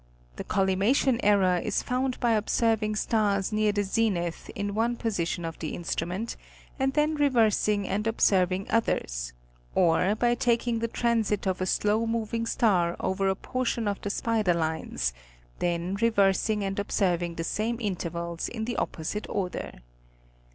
The collima tion error is found by observing stars near the zenith in one position of the instrument and then reversing and observing others, or by taking the transit of a slow moving star over a portion of the spider lines then reversing and observing the same intervals in the opposite order.